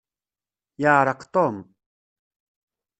Yeɛṛeq Tom.